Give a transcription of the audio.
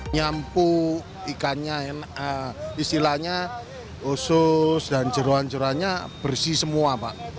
nyampu ikannya istilahnya usus dan jeruan jeruannya bersih semua pak